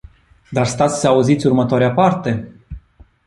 Dar stați să auziți următoarea parte.